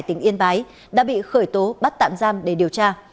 tỉnh yên bái đã bị khởi tố bắt tạm giam để điều tra